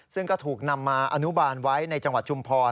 ซึ่งก็ถูกนำมาอนุบาลไว้ในจังหวัดชุมพร